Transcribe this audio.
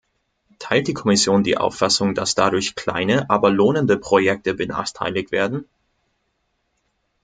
Teilt die Kommission die Auffassung, dass dadurch kleine, aber lohnende Projekte benachteiligt werden?